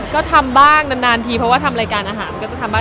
ก็ทำบ้างนานทีเพราะว่าทำรายการอาหารก็จะทำบ้าง